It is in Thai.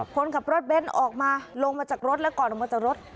คนขับรถเบ้นออกมาลงมาจากรถแล้วก่อนออกมาจากรถ